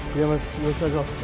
よろしくお願いします。